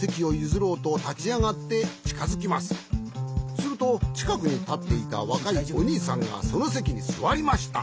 するとちかくにたっていたわかいおにいさんがそのせきにすわりました。